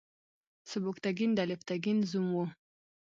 سبکتګین د الپتکین زوم و.